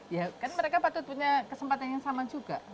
ya kan mereka patut punya kesempatan yang sama juga